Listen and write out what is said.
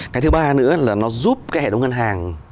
cái thứ ba nữa là nó giúp cái hệ thống ngân hàng